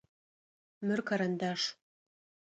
Мыр карандаш.